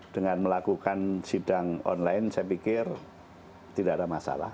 dengan melakukan sidang online saya pikir tidak ada masalah